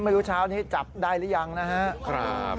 ไม่รู้เช้านี้จับได้หรือยังนะครับ